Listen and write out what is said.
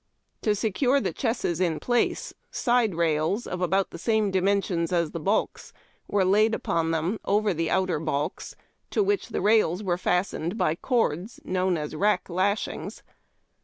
To secure the chesses in place, side rails of about the same dimensions as the balks were laid upon them over the outer balks, to which the rails were fastened by cords known as rdck Iashinf/s.